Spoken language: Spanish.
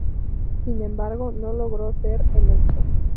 Sin embargo, no logró ser electo.